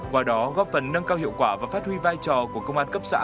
qua đó góp phần nâng cao hiệu quả và phát huy vai trò của công an cấp xã